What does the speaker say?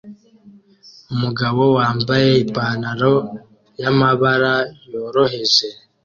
Umugabo wambaye ipantaro yamabara yoroheje